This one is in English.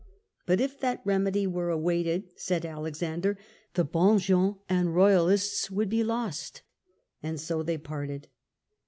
But if that remedy were awaited, said Alexander, " the hm gens and Eoyalists would be lost." And so they parted.